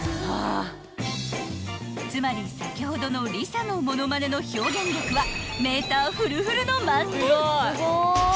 ［つまり先ほどのＬｉＳＡのものまねの表現力はメーターフルフルの満点！］